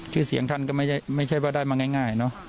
ชื่อเสียงท่านก็ไม่ใช่ว่าได้มาง่ายเนอะ